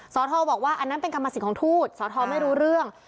สทบอกว่าอันนั้นเป็นกรรมสิทธิ์ของทูตสทไม่รู้เรื่อง